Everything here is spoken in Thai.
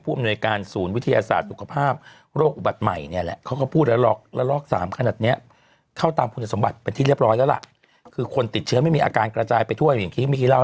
ผู้อำนวยการศูนย์วิทยาศาสตร์สุขภาพโรคอุบัติใหม่เนี่ยแหละ